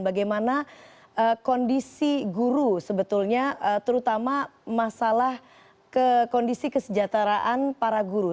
bagaimana kondisi guru sebetulnya terutama masalah kondisi kesejahteraan para guru